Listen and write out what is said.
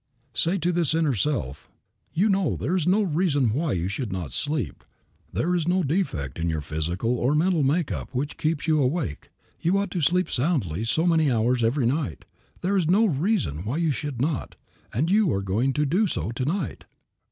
Say to this inner self: "You know there is no reason why you should not sleep. There is no defect in your physical or mental make up which keeps you awake. You ought to sleep soundly so many hours every night. There is no reason why you should not, and you are going to do so to night."